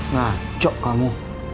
nah cok kamu